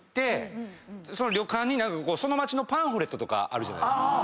旅館にその町のパンフレットとかあるじゃないですか。